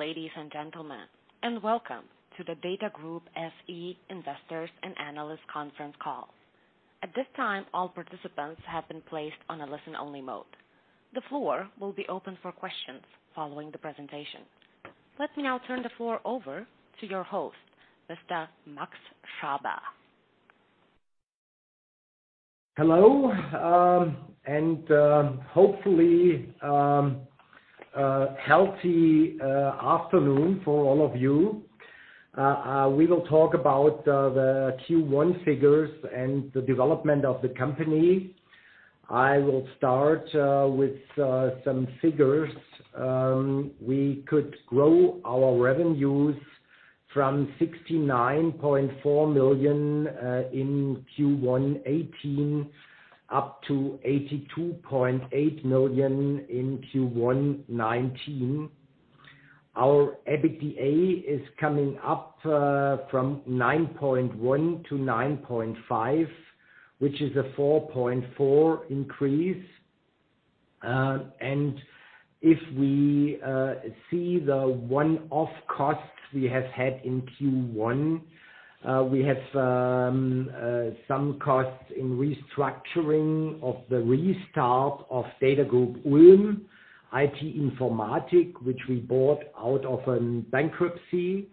Hello, ladies and gentlemen, and welcome to the DATAGROUP SE Investors and Analyst Conference Call. At this time, all participants have been placed on a listen-only mode. The floor will be open for questions following the presentation. Let me now turn the floor over to your host, Mr. Max Schaber. Hello, and hopefully a healthy afternoon for all of you. We will talk about the Q1 figures and the development of the company. I will start with some figures. We could grow our revenues from 69.4 million in Q1 2018 up to 82.8 million in Q1 2019. Our EBITDA is coming up from 9.1 million to 9.5 million, which is a 4.4 increase. And if we see the one-off costs we have had in Q1, we have some costs in restructuring of the restart of DATAGROUP Ulm, IT-Informatik, which we bought out of a bankruptcy.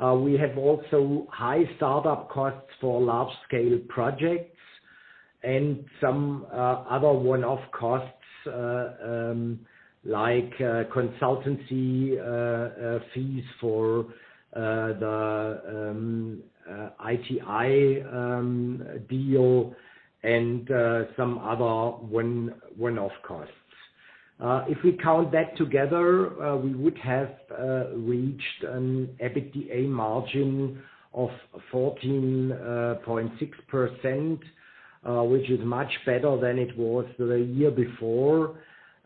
We have also high startup costs for large-scale projects and some other one-off costs, like consultancy fees for the ITI deal, and some other one-off costs. If we count that together, we would have reached an EBITDA margin of 14.6%, which is much better than it was the year before.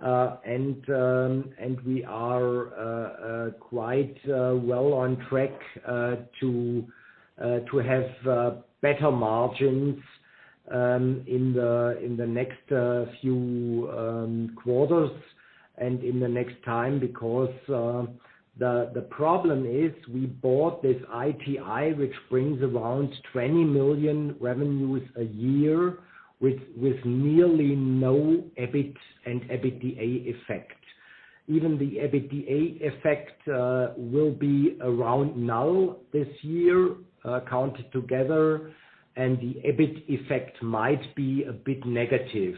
And we are quite well on track to have better margins in the next few quarters and in the next time. Because the problem is, we bought this ITI, which brings around 20 million EUR revenues a year, with nearly no EBIT and EBITDA effect. Even the EBITDA effect will be around null this year, counted together, and the EBIT effect might be a bit negative.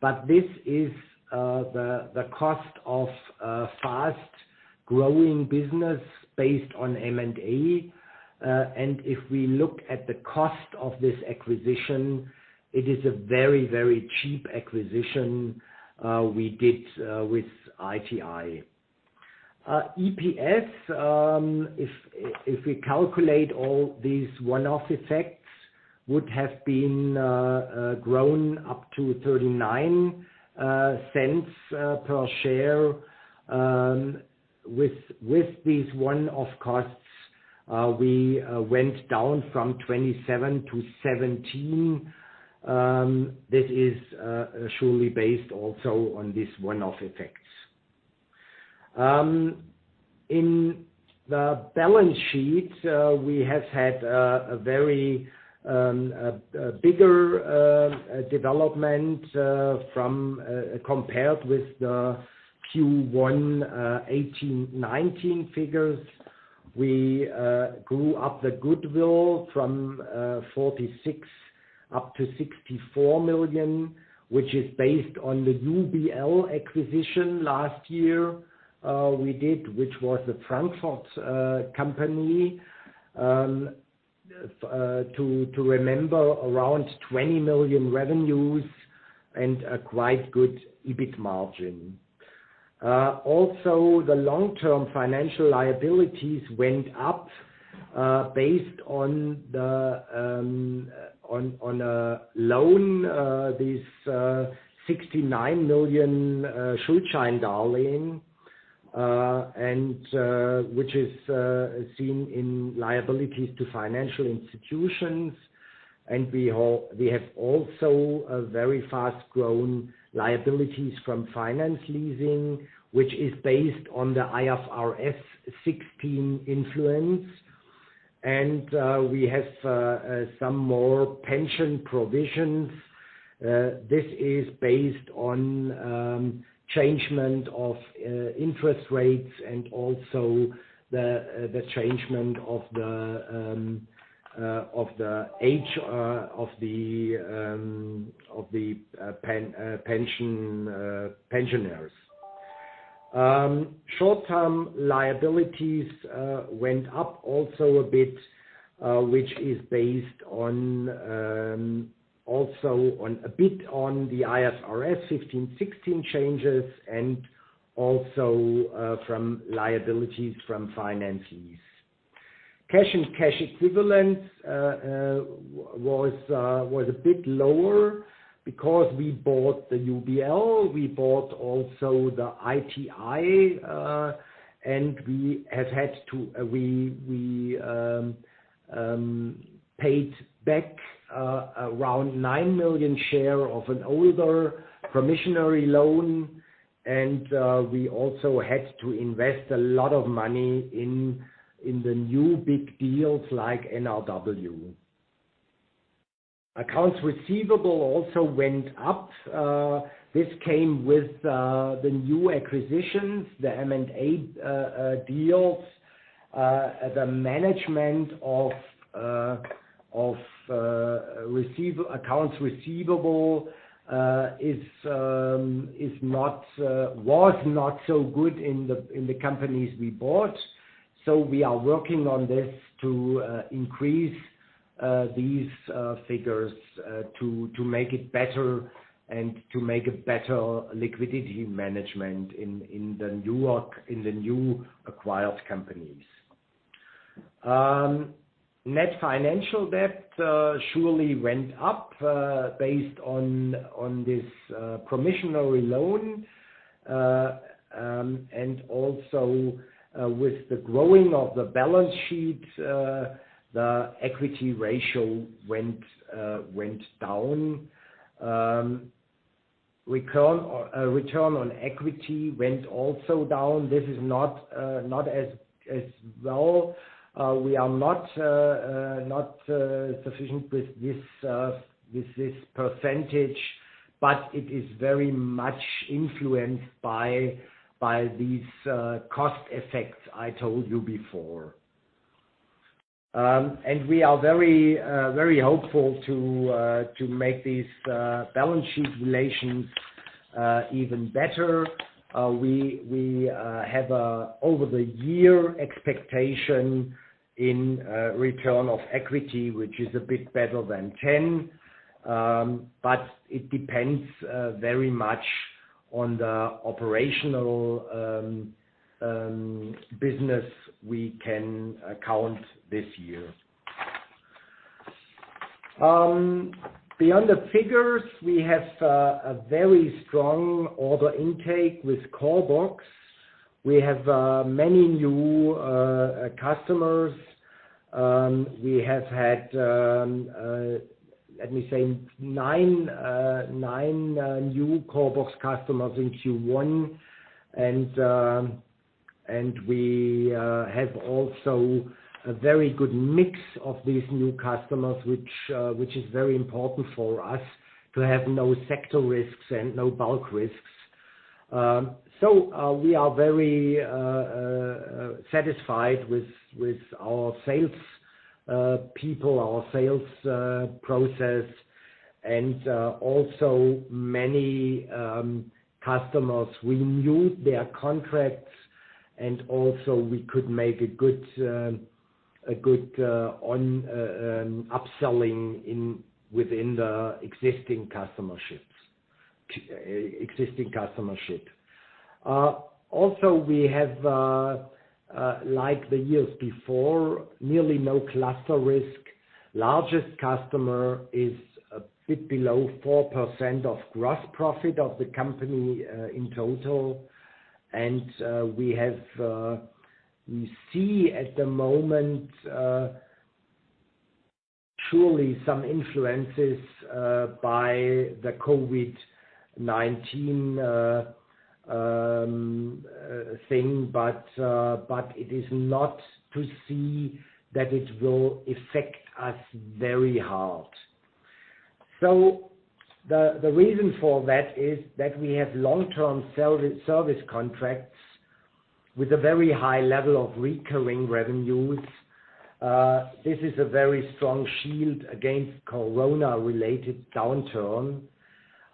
But this is the cost of a fast-growing business based on M&A. And if we look at the cost of this acquisition, it is a very, very cheap acquisition we did with IT-Informatik. EPS, if we calculate all these one-off effects, would have been grown up to 39 cents per share. With these one-off costs, we went down from 27-17. This is surely based also on these one-off effects. In the balance sheet, we have had a very big development compared with the Q1 2018-2019 figures. We grew up the goodwill from 46 million to 64 million, which is based on the UBL acquisition last year we did, which was a Frankfurt company. To remember, around 20 million revenues and a quite good EBIT margin. Also, the long-term financial liabilities went up based on a loan, EUR 69 million Schuldscheindarlehen, and which is seen in liabilities to financial institutions. We have also very fast-grown liabilities from finance leasing, which is based on the IFRS 16 influence. We have some more pension provisions. This is based on change in interest rates and also the change in the age of the pensioners. Short-term liabilities went up also a bit, which is based on also a bit on the IFRS 15, 16 changes and also from liabilities from finance lease. Cash and cash equivalents was a bit lower because we bought the UBL, we bought also the ITI, and we have had to paid back around 9 million share of an older promissory loan, and we also had to invest a lot of money in the new big deals like NRW. Accounts receivable also went up. This came with the new acquisitions, the M&A deals. The management of accounts receivable was not so good in the companies we bought. So we are working on this to increase these figures to make it better and to make a better liquidity management in the new acquired companies. Net financial debt surely went up based on this promissory loan and also with the growing of the balance sheet, the equity ratio went down. Return on equity went also down. This is not as well. We are not sufficient with this percentage, but it is very much influenced by these cost effects I told you before. We are very hopeful to make these balance sheet relations even better. We have an over the year expectation in return on equity, which is a bit better than 10. But it depends very much on the operational business we can account this year. Beyond the figures, we have a very strong order intake with CORBOX. We have many new customers. We have had, let me say nine new CORBOX customers in Q1, and we have also a very good mix of these new customers, which is very important for us to have no sector risks and no bulk risks. So, we are very satisfied with our sales people, our sales process, and also many customers renewed their contracts, and also we could make a good upselling within the existing customer base, existing customer base. Also we have, like the years before, nearly no cluster risk. Largest customer is a bit below 4% of gross profit of the company, in total. We see at the moment surely some influences by the COVID-19 thing, but it is not to see that it will affect us very hard. The reason for that is that we have long-term service contracts with a very high level of recurring revenues. This is a very strong shield against corona-related downturn.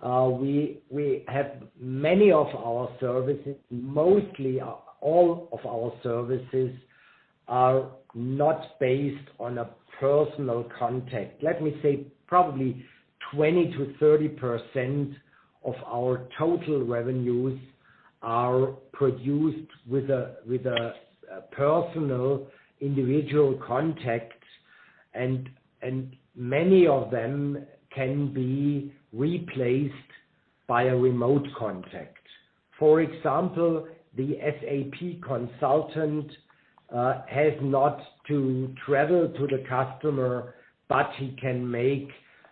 We have many of our services, mostly all of our services are not based on a personal contact. Let me say, probably 20%-30% of our total revenues are produced with a personal individual contact, and many of them can be replaced by a remote contact. For example, the SAP consultant has not to travel to the customer, but he can make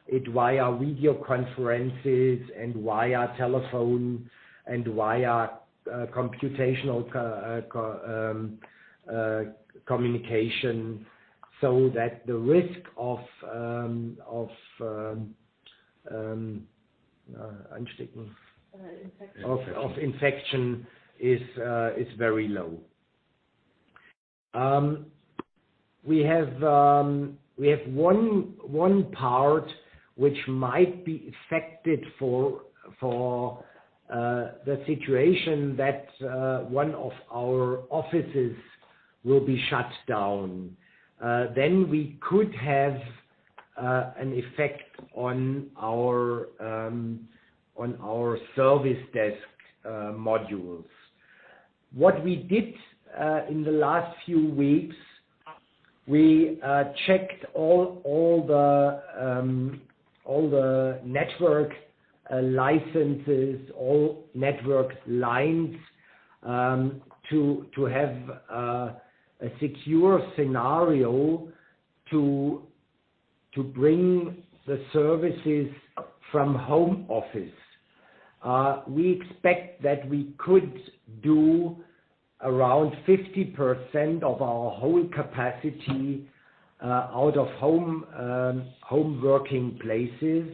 it via video conferences and via telephone and via computational communication, so that the risk of Uh, infection. The risk of infection is very low. We have one part which might be affected for the situation that one of our offices will be shut down, then we could have an effect on our service desk modules. What we did in the last few weeks, we checked all the network licenses, all network lines, to have a secure scenario to bring the services from home office. We expect that we could do around 50% of our whole capacity out of home working places.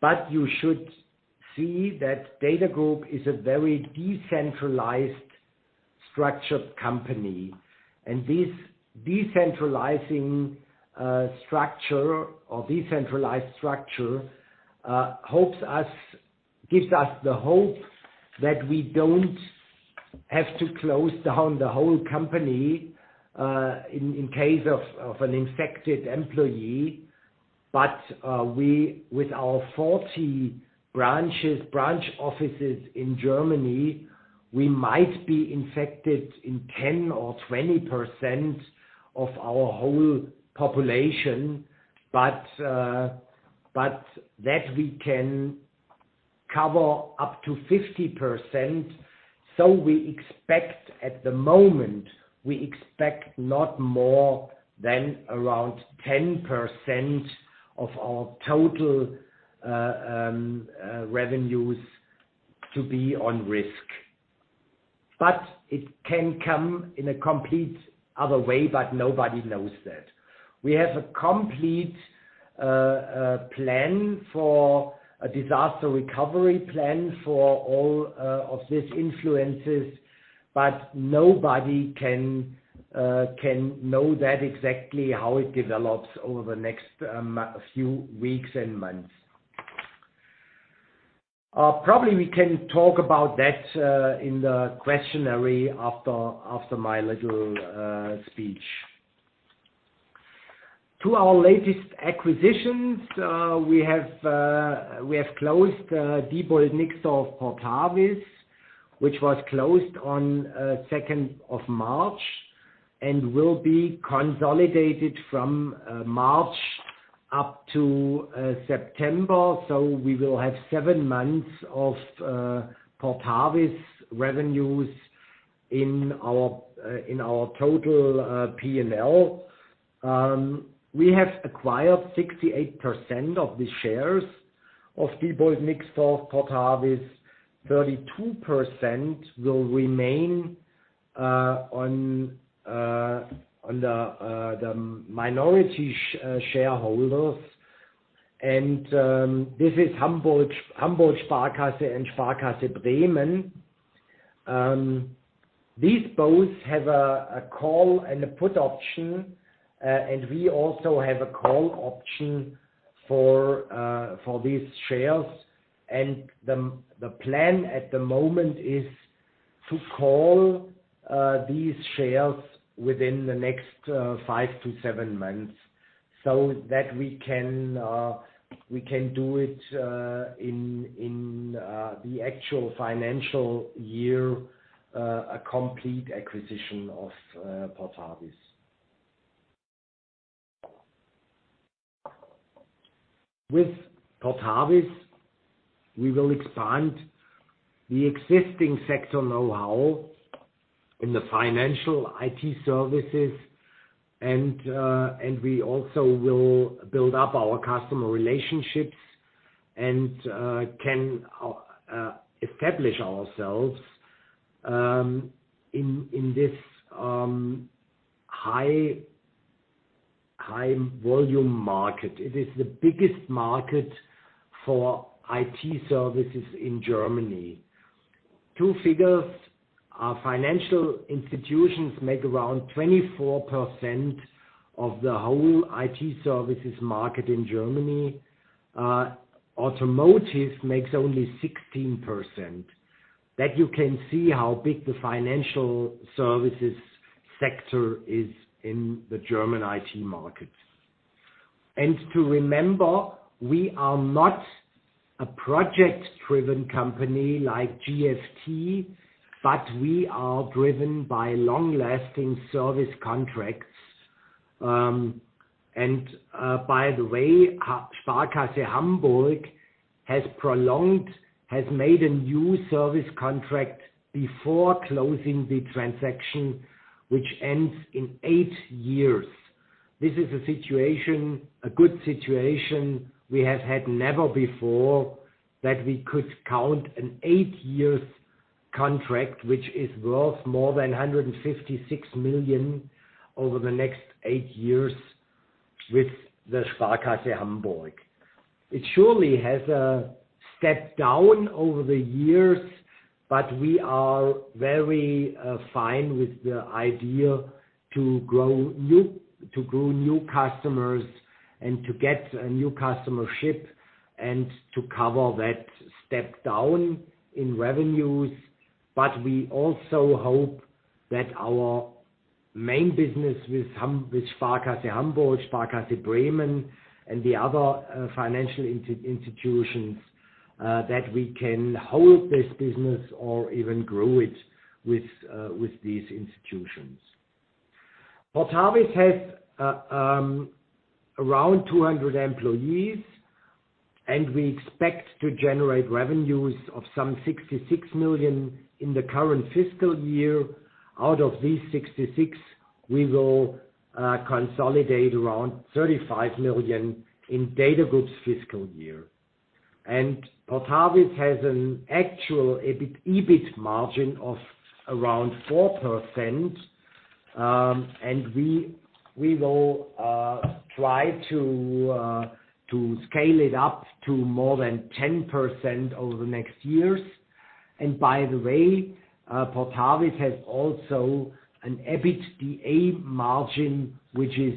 But you should see that DATAGROUP is a very decentralized structured company, and this decentralizing structure, or decentralized structure, helps us, gives us the hope that we don't have to close down the whole company, in case of an infected employee. But we, with our 40 branches, branch offices in Germany, we might be infected in 10% or 20% of our whole population. But that we can cover up to 50%, so we expect at the moment, we expect not more than around 10% of our total revenues to be on risk. But it can come in a complete other way, but nobody knows that. We have a complete plan for a disaster recovery plan for all of these influences, but nobody can know that exactly how it develops over the next few weeks and months. Probably we can talk about that in the Q&A after my little speech. To our latest acquisitions, we have closed Diebold Nixdorf Portavis, which was closed on second of March, and will be consolidated from March up to September. So we will have seven months of Portavis revenues in our total PL. We have acquired 68% of the shares of Diebold Nixdorf Portavis. 32% will remain on the minority shareholders. And this is Hamburger Sparkasse and Sparkasse Bremen. These both have a call and a put option, and we also have a call option for these shares. And the plan at the moment is to call these shares within the next five to seven months, so that we can do it in the actual financial year, a complete acquisition of Portavis. With Portavis, we will expand the existing sector know-how in the financial IT services, and we also will build up our customer relationships and can establish ourselves in this high volume market. It is the biggest market for IT services in Germany. Two figures, our financial institutions make around 24% of the whole IT services market in Germany. Automotive makes only 16%. That you can see how big the financial services sector is in the German IT market. To remember, we are not a project-driven company like GFT, but we are driven by long-lasting service contracts. By the way, Hamburger Sparkasse has prolonged, has made a new service contract before closing the transaction, which ends in eight years. This is a situation, a good situation we have never had before, that we could count an eight-year contract, which is worth more than 156 million over the next eight years with the Sparkasse Hamburg. It surely has stepped down over the years, but we are very fine with the idea to grow new customers and to get a new customer base and to cover that step down in revenues. But we also hope that our main business with Sparkasse Hamburg, Sparkasse Bremen, and the other financial institutions that we can hold this business or even grow it with these institutions. Portavis has around 200 employees and we expect to generate revenues of some 66 million in the current fiscal year. Out of these 66 million, we will consolidate around 35 million in DATAGROUP's fiscal year. And Portavis has an actual EBIT margin of around 4% and we will try to scale it up to more than 10% over the next years. And by the way, Portavis has also an EBITDA margin which is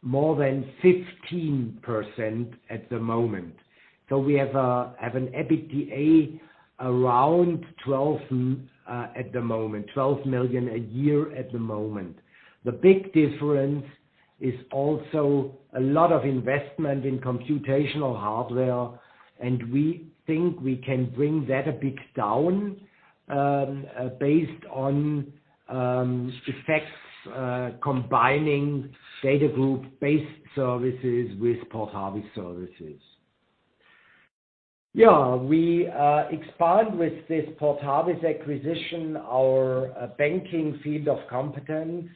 more than 15% at the moment. So we have an EBITDA around 12 at the moment, 12 million a year at the moment. The big difference is also a lot of investment in computational hardware, and we think we can bring that a bit down, based on effects, combining DATAGROUP-based services with Portavis services. Yeah, we expand with this Portavis acquisition, our banking field of competence.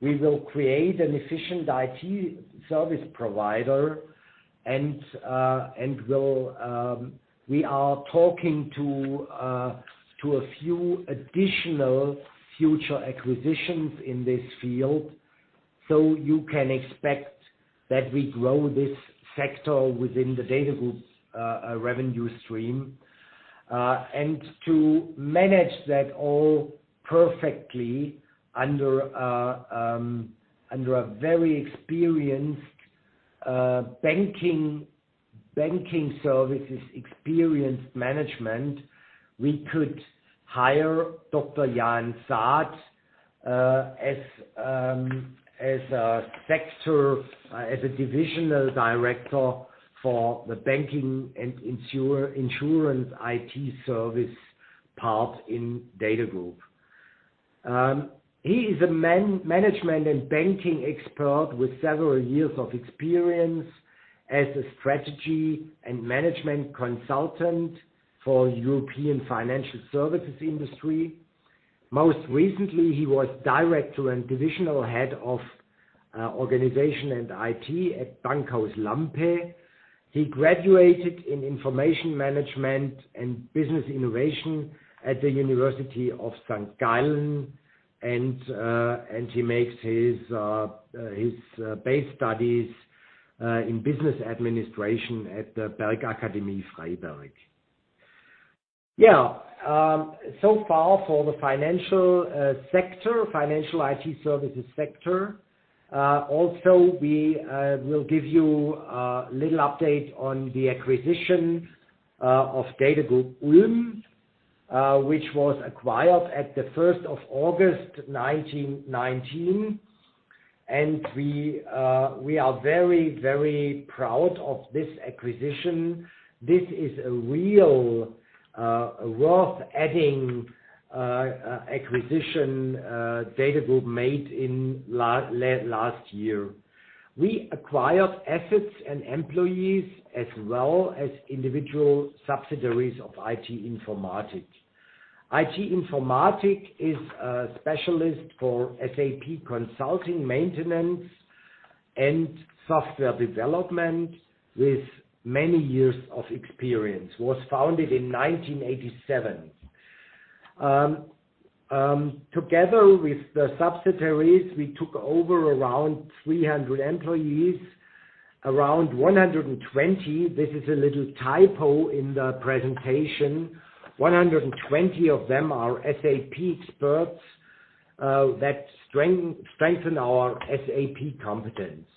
We will create an efficient IT service provider and, and we'll, we are talking to, to a few additional future acquisitions in this field. So you can expect that we grow this sector within the DATAGROUP revenue stream. And to manage that all perfectly under a, under a very experienced, banking, banking services experienced management, we could hire Dr. Dr. Jan Sczepanski, as a sector, as a divisional director for the banking and insurance IT service part in DATAGROUP. He is a management and banking expert with several years of experience as a strategy and management consultant for European financial services industry. Most recently, he was director and divisional head of organization and IT at Bankhaus Lampe. He graduated in Information Management and Business Innovation at the University of St. Gallen, and he makes his base studies in business administration at the Bergakademie Freiberg. Yeah, so far for the financial sector, financial IT services sector, also, we will give you a little update on the acquisition of DATAGROUP Ulm, which was acquired at the first of August, nineteen nineteen. And we are very, very proud of this acquisition. This is a real worth adding acquisition DATAGROUP made in last year. We acquired assets and employees, as well as individual subsidiaries of IT-Informatik. IT-Informatik is a specialist for SAP consulting, maintenance, and software development, with many years of experience, was founded in 1987. Together with the subsidiaries, we took over around 300 employees, around 120. This is a little typo in the presentation. 120 of them are SAP experts that strengthen our SAP competence.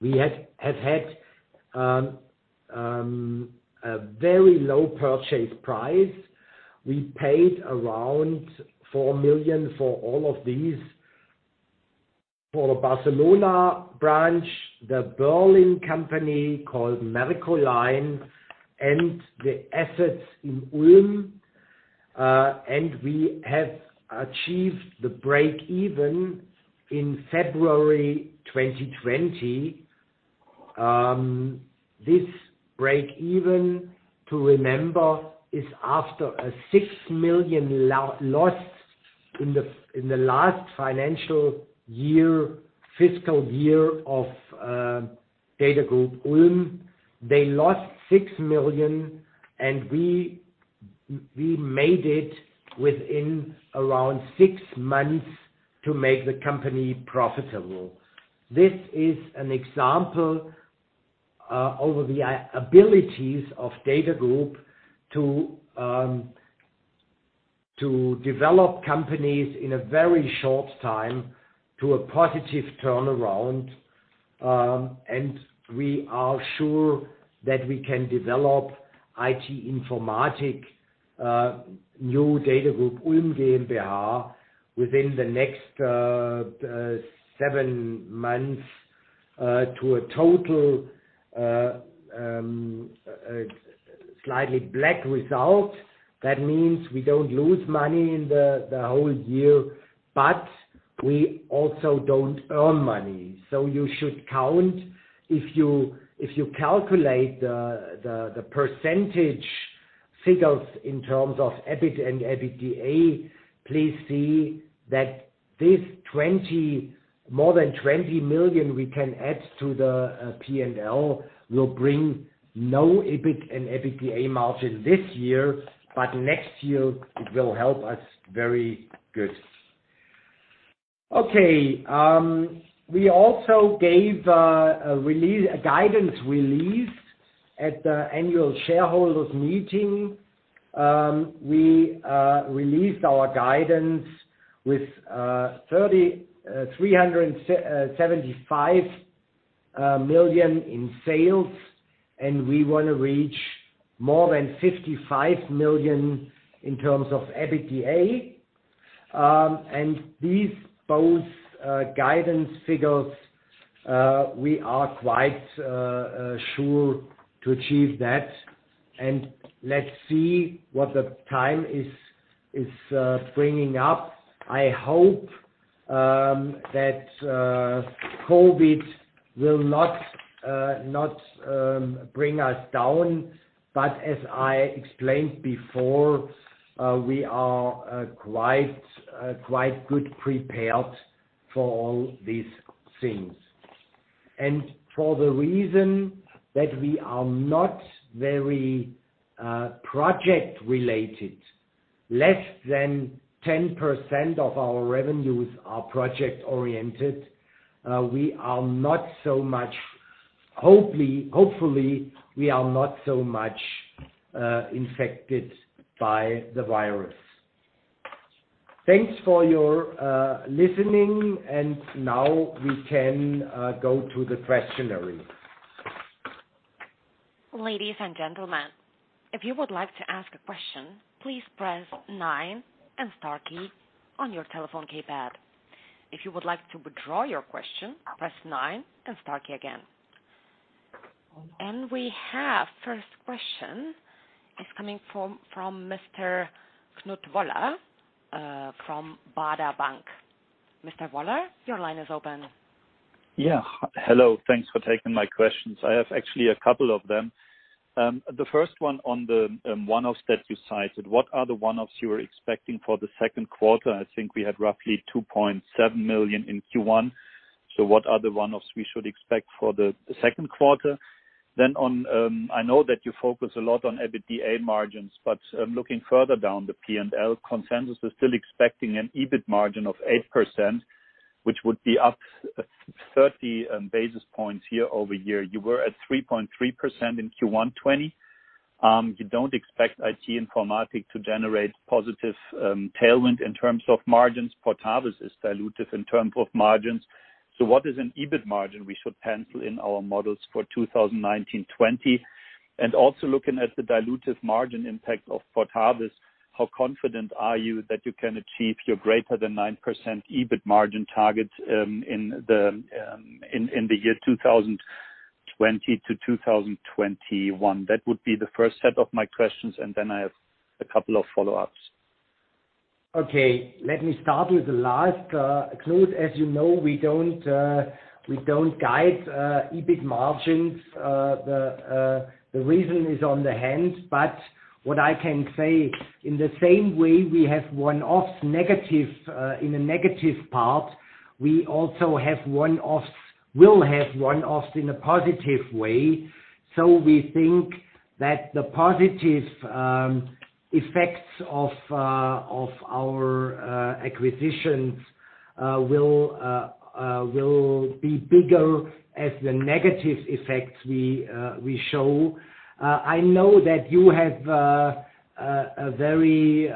We have had a very low purchase price. We paid around 4 million for all of these, for the Barcelona branch, the Berlin company called Mercoline, and the assets in Ulm, and we have achieved the breakeven in February 2020. This breakeven, to remember, is after a 6 million lost in the last financial year, fiscal year of DATAGROUP Ulm. They lost 6 million, and we made it within around six months to make the company profitable. This is an example over the abilities of DATAGROUP to develop companies in a very short time to a positive turnaround. And we are sure that we can develop IT-Informatik new DATAGROUP Ulm GmbH within the next seven months to a total slightly black result. That means we don't lose money in the whole year, but we also don't earn money. So you should count, if you calculate the percentage figures in terms of EBIT and EBITDA, please see that this more than 20 million we can add to the P&L, will bring no EBIT and EBITDA margin this year, but next year it will help us very good. Okay, we also gave a release, a guidance release at the annual shareholders meeting. We released our guidance with 375 million in sales, and we wanna reach more than 55 million in terms of EBITDA. And these both guidance figures we are quite sure to achieve that. Let's see what the time is bringing up. I hope that COVID will not bring us down, but as I explained before, we are quite good prepared for all these things. For the reason that we are not very project-related, less than 10% of our revenues are project-oriented, we are not so much, hopefully, infected by the virus. Thanks for your listening, and now we can go to the Q&A. Ladies and gentlemen, if you would like to ask a question, please press nine and star key on your telephone keypad. If you would like to withdraw your question, press nine and star key again. And we have first question is coming from Mr. Knut Woller from Baader Bank. Mr. Woller, your line is open. Yeah. Hello, thanks for taking my questions. I have actually a couple of them. The first one on the one-offs that you cited. What are the one-offs you are expecting for the second quarter? I think we had roughly 2.7 million in Q1, so what are the one-offs we should expect for the second quarter? Then on, I know that you focus a lot on EBITDA margins, but, looking further down the P&L, consensus is still expecting an EBIT margin of 8%, which would be up thirty basis points year over year. You were at 3.3% in Q1 2020. You don't expect IT-Informatik to generate positive tailwind in terms of margins. Portavis is dilutive in terms of margins. So what is an EBIT margin we should pencil in our models for 2019, 2020? And also, looking at the dilutive margin impact of Portavis, how confident are you that you can achieve your greater than 9% EBIT margin target in the year 2020-2021? That would be the first set of my questions, and then I have a couple of follow-ups. Okay, let me start with the last, Knut. As you know, we don't guide EBIT margins. The reason is on the hand. But what I can say, in the same way we have one-offs negative in a negative part, we also have one-offs, will have one-offs in a positive way. So we think that the positive effects of our acquisitions will be bigger as the negative effects we show. I know that you have a very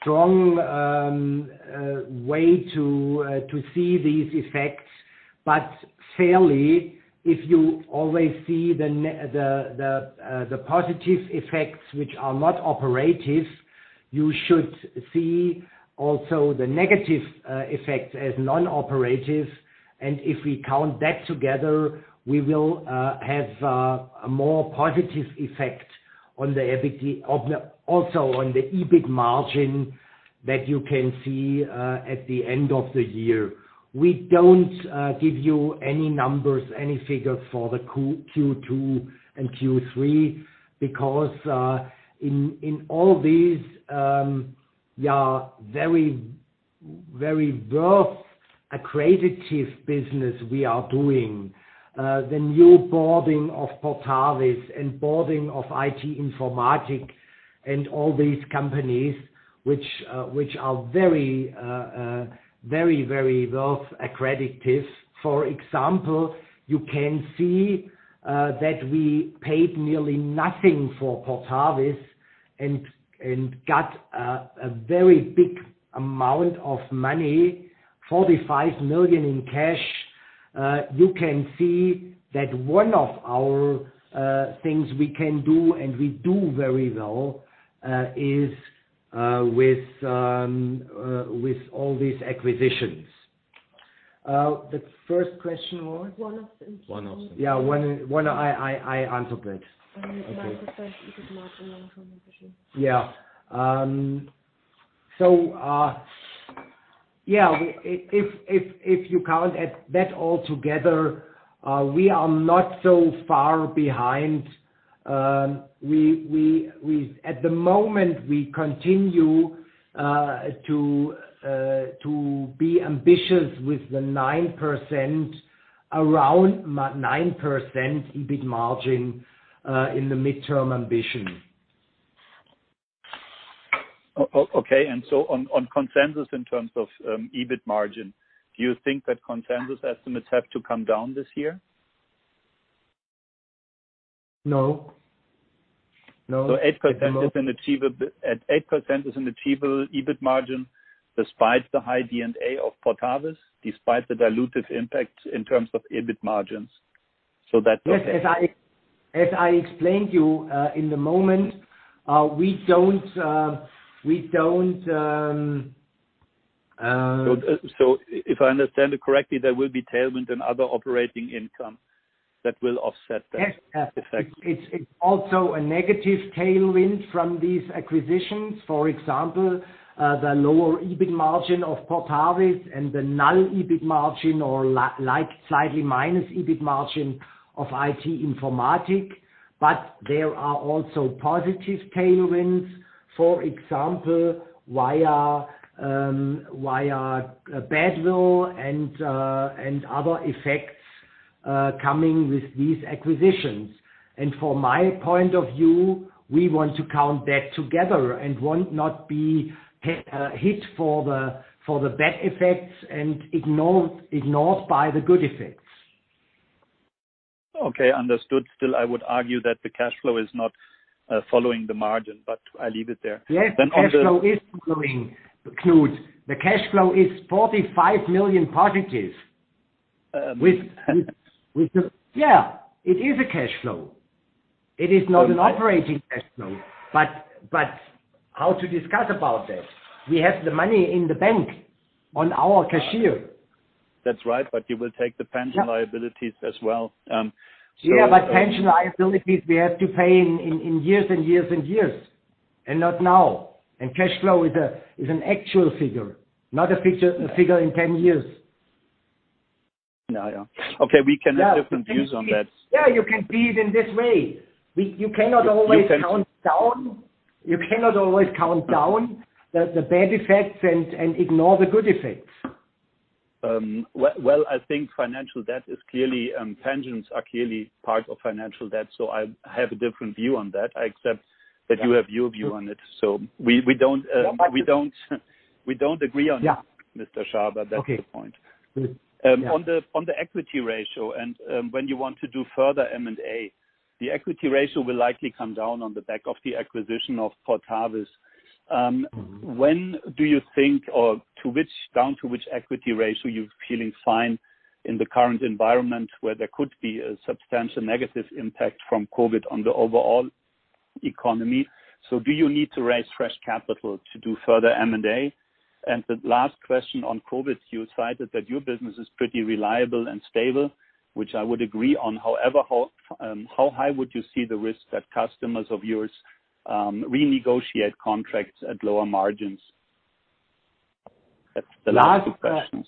strong way to see these effects, but fairly, if you always see the positive effects, which are not operative, you should see also the negative effects as non-operative. And if we count that together, we will have a more positive effect on the EBIT of the, also on the EBIT margin, that you can see at the end of the year. We don't give you any numbers, any figures for the Q2 and Q3, because in all these very value-accretive business we are doing. The new onboarding of Portavis and onboarding of IT-Informatik and all these companies, which are very value-accretive. For example, you can see that we paid nearly nothing for Portavis and got a very big amount of money, 45 million in cash. You can see that one of our things we can do, and we do very well, is with all these acquisitions.... The first question was? One of them. One of them. Yeah, I answered it. Yeah. So, yeah, if you count that all together, we are not so far behind. At the moment, we continue to be ambitious with the 9%, around 9% EBIT margin, in the mid-term ambition. Okay, and so on, on consensus in terms of EBIT margin, do you think that consensus estimates have to come down this year? No. No. So 8% is an achievable EBIT margin despite the high D&A of Portavis, despite the dilutive impact in terms of EBIT margins, so that- Yes, as I explained to you, in the moment, we don't If I understand it correctly, there will be tailwind and other operating income that will offset that. Yes. -effect. It's also a negative tailwind from these acquisitions. For example, the lower EBIT margin of Portavis and the null EBIT margin or like slightly minus EBIT margin of IT-Informatik. But there are also positive tailwinds, for example, via Badwill and other effects coming with these acquisitions. And from my point of view, we want to count that together and want not be hit for the bad effects and ignored by the good effects. Okay, understood. Still, I would argue that the cash flow is not following the margin, but I leave it there. Yes- Then on the- Cash flow is following, Claude. The cash flow is 45 million EUR positive. Yeah, it is a cash flow. It is not an operating cash flow, but how to discuss about that? We have the money in the bank, on our cash. That's right, but you will take the pension- Yeah - liabilities as well, so- Yeah, but pension liabilities, we have to pay in years and years and years, and not now. Cash flow is an actual figure, not a figure in 10 years. Yeah, yeah. Okay, we can have different views on that. Yeah, you can see it in this way. You cannot always count down. You cannot always count down the bad effects and ignore the good effects. Well, I think financial debt is clearly, pensions are clearly part of financial debt, so I have a different view on that. I accept that you have your view on it. So we don't agree on it- Yeah. Mr. Schaber. Okay. That's the point. Good. On the equity ratio and when you want to do further M&A, the equity ratio will likely come down on the back of the acquisition of Portavis. Mm-hmm. When do you think, or to which, down to which equity ratio you're feeling fine in the current environment, where there could be a substantial negative impact from COVID on the overall economy? So do you need to raise fresh capital to do further M&A? And the last question on COVID, you cited that your business is pretty reliable and stable, which I would agree on. However, how, how high would you see the risk that customers of yours, renegotiate contracts at lower margins? That's the last two questions.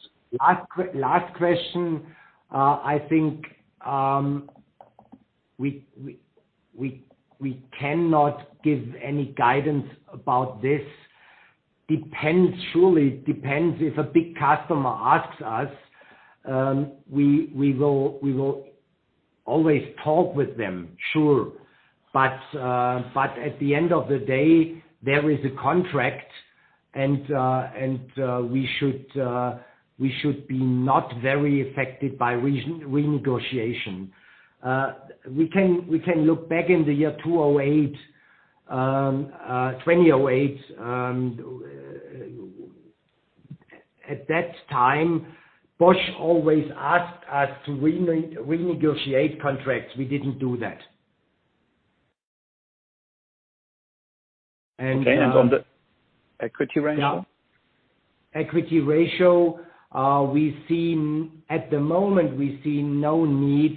Last question, I think, we cannot give any guidance about this. Depends, truly, it depends if a big customer asks us, we will always talk with them, sure. But at the end of the day, there is a contract and we should be not very affected by renegotiation. We can look back in the year 2008, at that time, Bosch always asked us to renegotiate contracts. We didn't do that. And Okay, and on the equity ratio? Yeah. Equity ratio, we've seen... At the moment, we see no need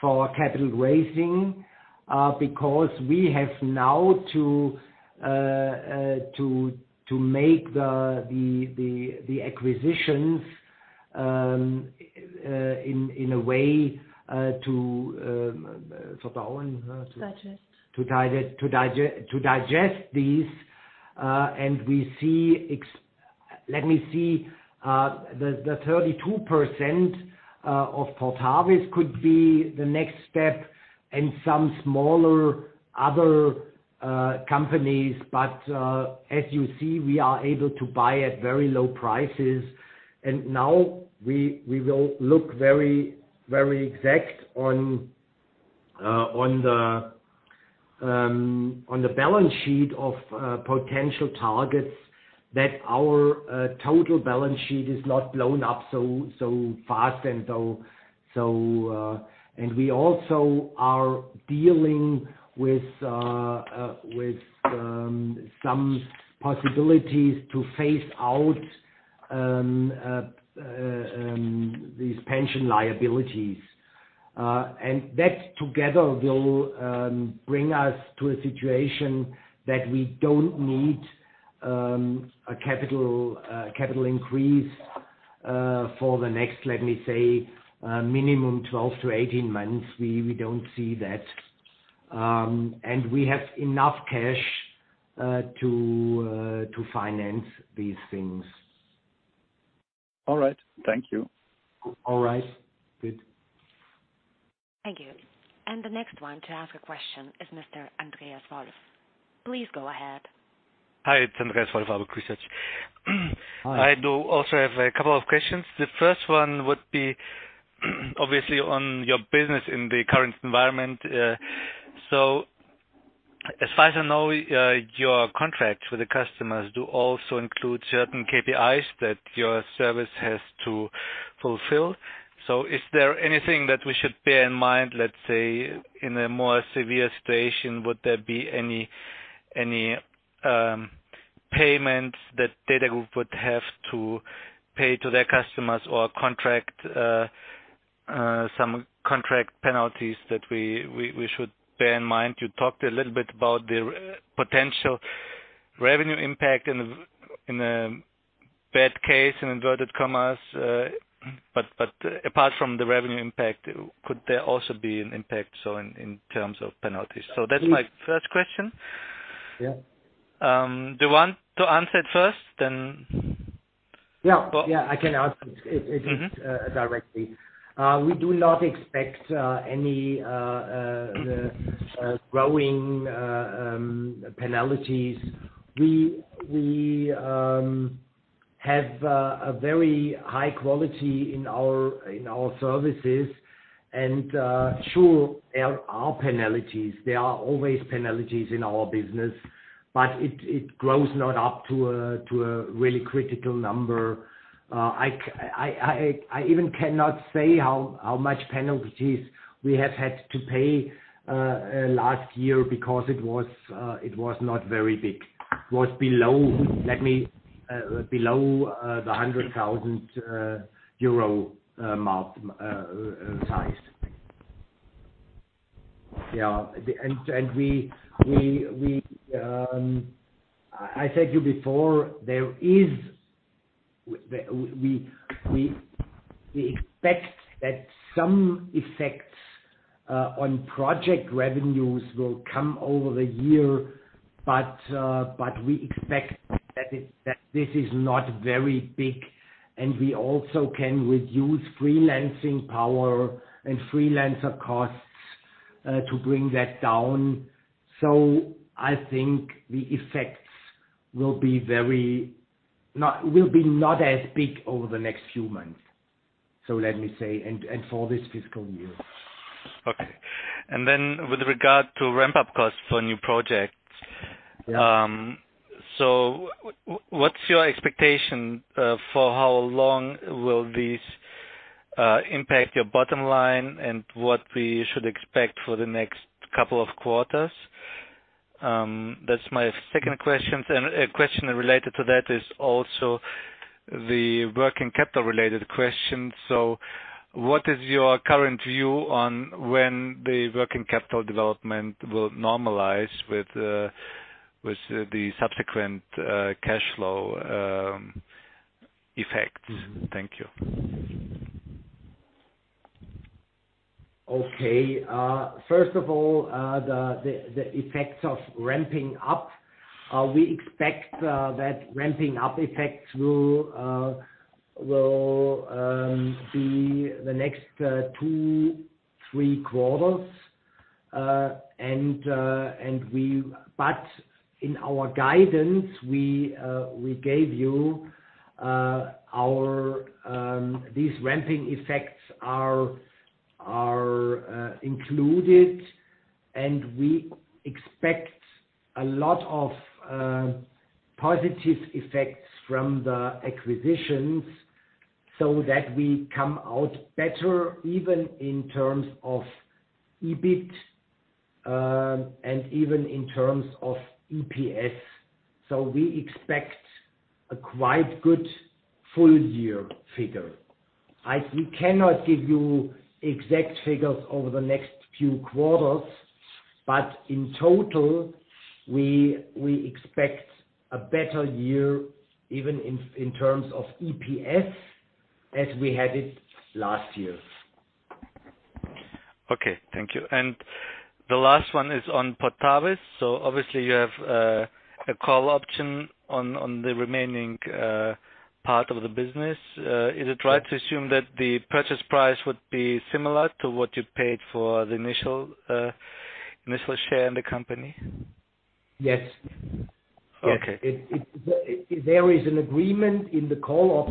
for capital raising, because we have now to make the acquisitions, in a way, to Digest. To digest these, and we see, let me see, the 32% of Portavis could be the next step, and some smaller other companies. But as you see, we are able to buy at very low prices, and now we will look very, very exact on the balance sheet of potential targets, that our total balance sheet is not blown up so fast and so. And we also are dealing with some possibilities to phase out these pension liabilities. And that together will bring us to a situation that we don't need a capital increase for the next, let me say, minimum 12-18 months. We don't see that. And we have enough cash to finance these things. All right. Thank you. All right. Good. Thank you. And the next one to ask a question is Mr. Andreas Wolf. Please go ahead. Hi, it's Andreas Wolf of Baader Helvea Research. Hi. I do also have a couple of questions. The first one would be, obviously, on your business in the current environment. So as far as I know, your contract with the customers do also include certain KPIs that your service has to fulfill. So is there anything that we should bear in mind, let's say, in a more severe situation, would there be any payments that DATAGROUP would have to pay to their customers or contract, some contract penalties that we should bear in mind? You talked a little bit about the potential revenue impact in a bad case, in inverted commas, but apart from the revenue impact, could there also be an impact, so in terms of penalties? So that's my first question. Yeah. Do you want to answer it first, then- Yeah, yeah, I can answer it directly. We do not expect any growing penalties. We have a very high quality in our services, and sure, there are penalties. There are always penalties in our business, but it grows not up to a really critical number. I even cannot say how much penalties we have had to pay last year, because it was not very big. It was below the 100,000 euro mark size. Yeah, and we expect that some effects on project revenues will come over the year, but we expect that this is not very big, and we also can reduce freelancing power and freelancer costs to bring that down. So I think the effects will not be as big over the next few months. So let me say for this fiscal year. Okay. And then with regard to ramp-up costs for new projects- Yeah. So what's your expectation for how long will these impact your bottom line, and what we should expect for the next couple of quarters? That's my second question. Then a question related to that is also the working capital-related question. So what is your current view on when the working capital development will normalize with the subsequent cash flow effects? Thank you. Okay. First of all, the effects of ramping up, we expect that ramping up effects will be the next two, three quarters. But in our guidance we gave you, these ramping effects are included, and we expect a lot of positive effects from the acquisitions so that we come out better, even in terms of EBIT, and even in terms of EPS. So we expect a quite good full year figure. We cannot give you exact figures over the next few quarters, but in total, we expect a better year, even in terms of EPS, as we had it last year. Okay, thank you. And the last one is on Portavis. So obviously, you have a call option on the remaining part of the business. Is it right to assume that the purchase price would be similar to what you paid for the initial share in the company? Yes. Okay. There is an agreement in the call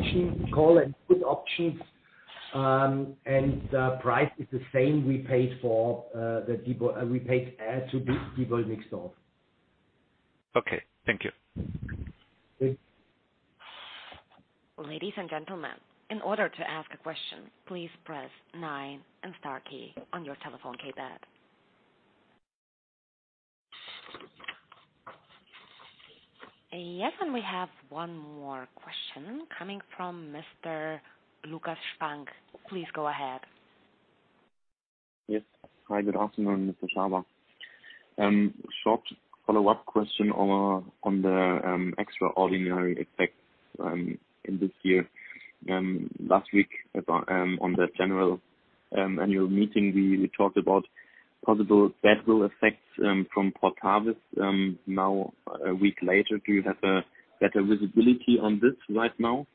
and put options, and the price is the same we paid to Diebold Nixdorf. Okay, thank you. Thanks. Ladies and gentlemen, in order to ask a question, please press nine and star key on your telephone keypad. Yes, and we have one more question coming from Mr. Lukas Frank. Please go ahead. Yes. Hi, good afternoon, Mr. Schaber. Short follow-up question on the extraordinary effects in this year. Last week, on the general annual meeting, we talked about possible badwill effects from Portavis. Now a week later, do you have a better visibility on this right now?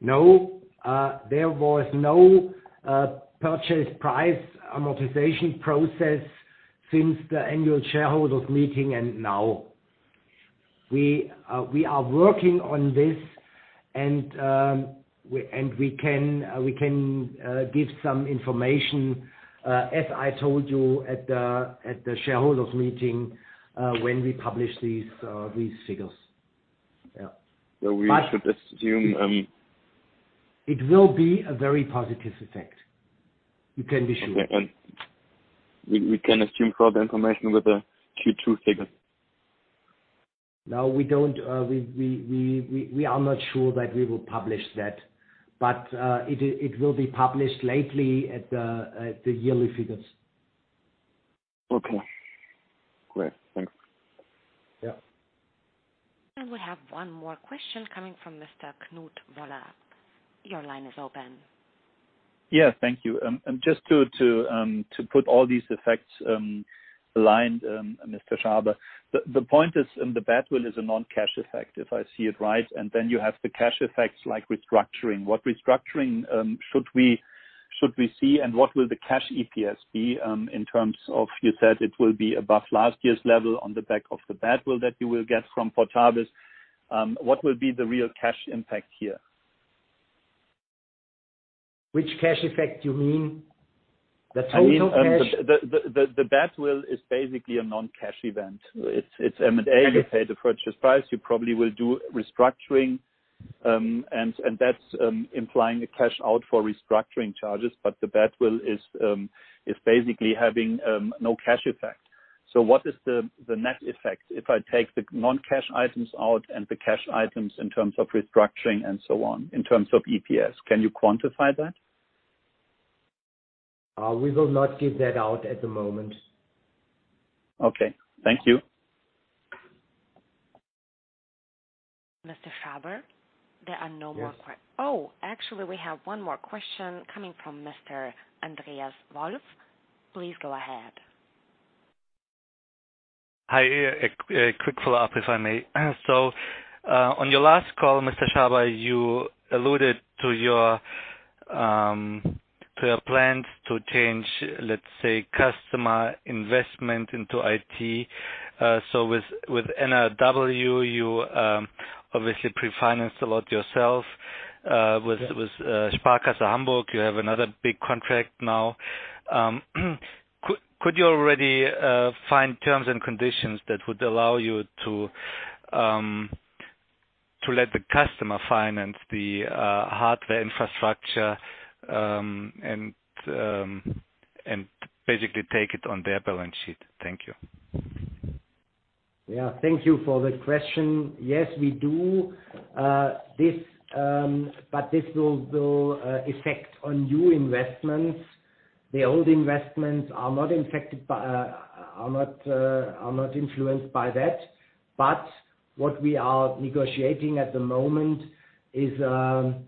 No. There was no purchase price amortization process since the annual shareholders meeting and now. We are working on this and we can give some information as I told you at the shareholders meeting when we publish these figures. Yeah. So we should assume. It will be a very positive effect. You can be sure. Okay, and we can assume for the information with the Q2 figures? No, we don't. We are not sure that we will publish that, but it will be published later at the yearly figures. Okay. Great, thanks. Yeah. We have one more question coming from Mr. Knut Woller. Your line is open. Yeah, thank you. And just to put all these effects aligned, Mr. Schaber, the point is, and the bad will is a non-cash effect, if I see it right, and then you have the cash effects, like restructuring. What restructuring should we see, and what will the cash EPS be, in terms of, you said it will be above last year's level on the back of the bad will that you will get from Portavis. What will be the real cash impact here? Which cash effect you mean? The total cash- I mean, the bad will is basically a non-cash event. It's M&A, you pay the purchase price, you probably will do restructuring, and that's implying the cash out for restructuring charges, but the bad will is basically having no cash effect. So what is the net effect if I take the non-cash items out and the cash items in terms of restructuring and so on, in terms of EPS? Can you quantify that? We will not give that out at the moment. Okay. Thank you. Mr. Schaber, there are no more que- Yes. Oh, actually, we have one more question coming from Mr. Andreas Wolf. Please go ahead. Hi, a quick follow-up, if I may. So, on your last call, Mr. Schaber, you alluded to your, to your plans to change, let's say, customer investment into IT. So with, with NRW, you, obviously pre-financed a lot yourself, with, with, Sparkasse Hamburg, you have another big contract now. Could you already, find terms and conditions that would allow you to, to let the customer finance the, hardware infrastructure, and, and basically take it on their balance sheet? Thank you. Yeah, thank you for the question. Yes, we do. But this will affect on new investments. The old investments are not affected by, are not influenced by that. But what we are negotiating at the moment is a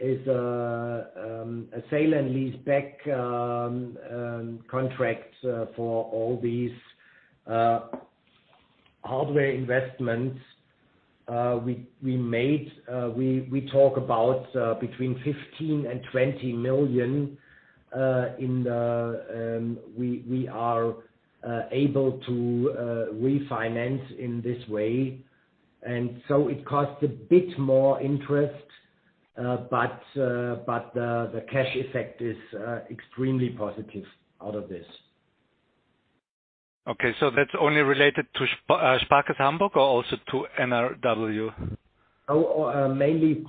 sale and leaseback contract for all these hardware investments we made. We talk about between 15 million and 20 million we are able to refinance in this way. And so it costs a bit more interest, but the cash effect is extremely positive out of this. Okay, so that's only related to Sparkasse Hamburg or also to NRW? Oh, mainly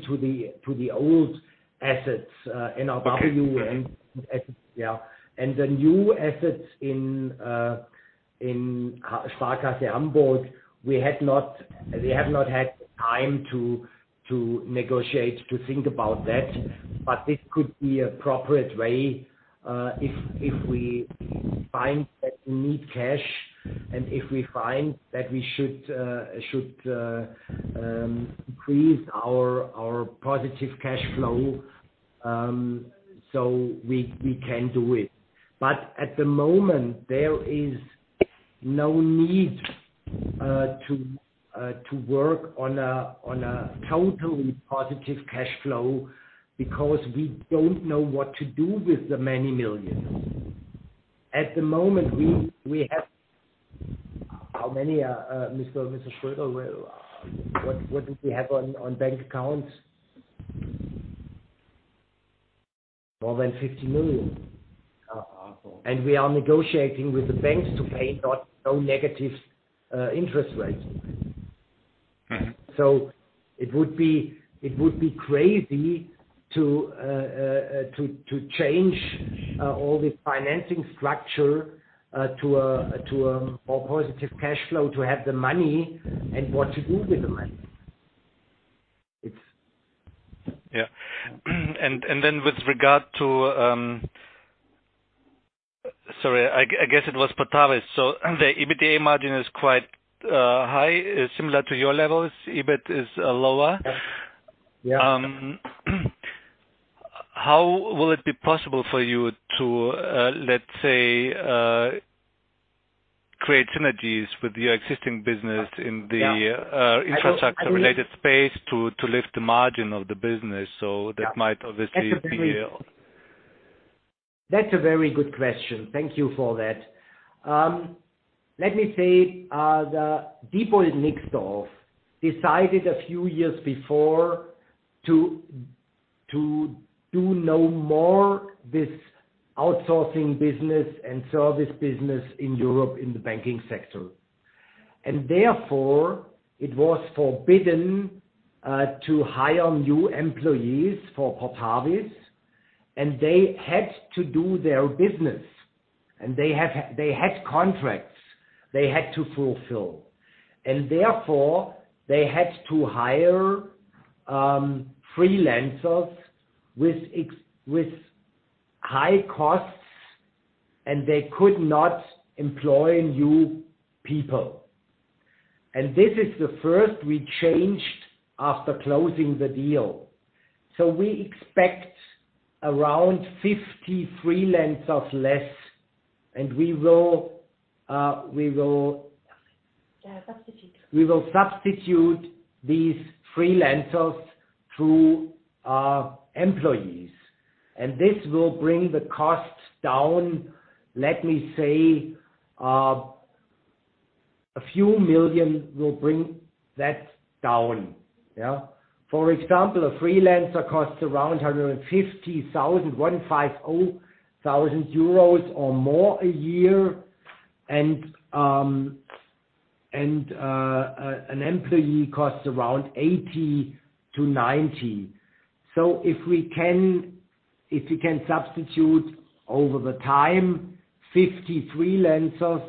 to the old assets, NRW- Okay. And yeah. The new assets in Hamburger Sparkasse, we have not had time to negotiate, to think about that. But this could be an appropriate way if we find that we need cash, and if we find that we should increase our positive cash flow, so we can do it. But at the moment, there is no need to work on a totally positive cash flow because we don't know what to do with the many millions. At the moment, we have. How many, Mrs. Schröder, what did we have on bank accounts? More than 50 million. And we are negotiating with the banks to pay no negative interest rates. So it would be crazy to change all the financing structure to a more positive cash flow, to have the money and what to do with the money? It's- Yeah, and then with regard to... Sorry, I guess it was Portavis, so the EBITDA margin is quite high, similar to your levels. EBIT is lower. Yeah. How will it be possible for you to, let's say, create synergies with your existing business in the, Yeah -infrastructure related space to lift the margin of the business, so that might obviously be That's a very good question. Thank you for that. Let me say, the people in Diebold Nixdorf decided a few years before to do no more this outsourcing business and service business in Europe, in the banking sector. And therefore, it was forbidden to hire new employees for Portavis, and they had to do their business, and they had contracts they had to fulfill, and therefore, they had to hire freelancers with high costs, and they could not employ new people. And this is the first we changed after closing the deal. So we expect around 50 freelancers less, and we will, we will- Yeah, substitute. We will substitute these freelancers to employees, and this will bring the costs down. Let me say a few million will bring that down, yeah. For example, a freelancer costs around 150,000 euros or more a year, and an employee costs around 80-90. So if we can substitute over the time, 50 freelancers,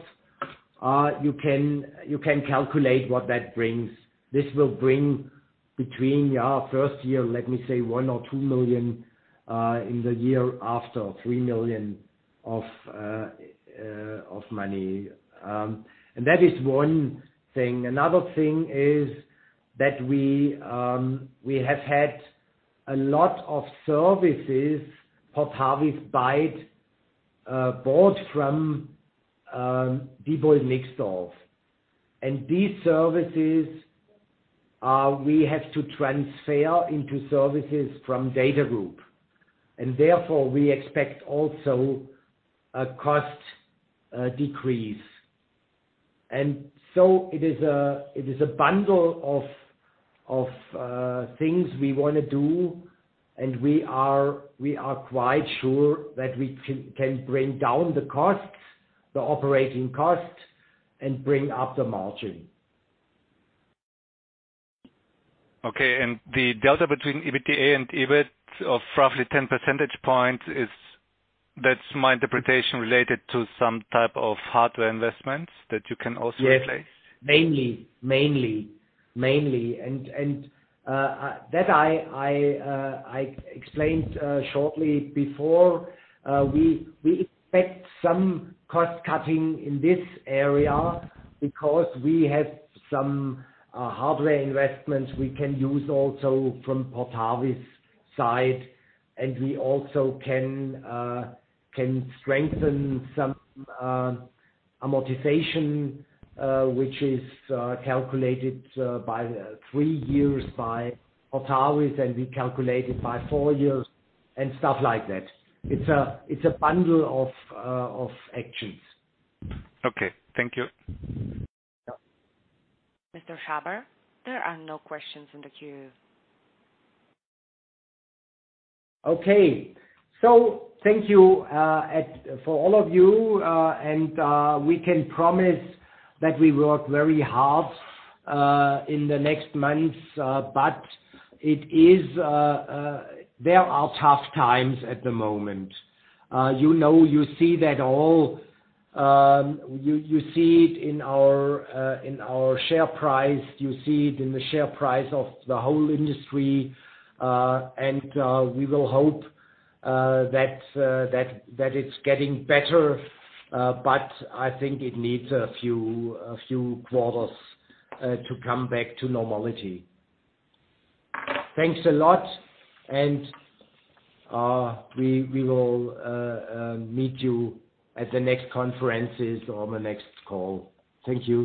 you can calculate what that brings. This will bring between our first year, let me say, 1 or 2 million in the year, after three million of money. And that is one thing. Another thing is that we have had a lot of services, Portavis buy bought from people in Nixdorf. These services, we have to transfer into services from DATAGROUP, and therefore, we expect also a cost decrease. And so it is a bundle of things we wanna do, and we are quite sure that we can bring down the costs, the operating costs, and bring up the margin. Okay, and the delta between EBITDA and EBIT of roughly 10 percentage points is, that's my interpretation, related to some type of hardware investments that you can also replace? Yes. Mainly, mainly, mainly, and that I explained shortly before. We expect some cost cutting in this area because we have some hardware investments we can use also from Portavis' side, and we also can strengthen some amortization, which is calculated by three years by Portavis, and we calculate it by four years, and stuff like that. It's a bundle of actions. Okay, thank you. Mr. Schaber, there are no questions in the queue. Okay. So thank you for all of you, and we can promise that we work very hard in the next months, but there are tough times at the moment. You know, you see that all, you see it in our share price, you see it in the share price of the whole industry, and we will hope that it's getting better, but I think it needs a few quarters to come back to normality. Thanks a lot, and we will meet you at the next conferences or the next call. Thank you.